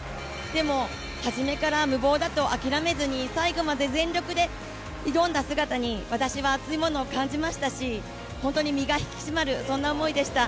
でも、初めから無謀だと諦めずに最後まで全力で挑んだ姿に、私は熱いものを感じましたし、本当に身が引き締まる思いでした。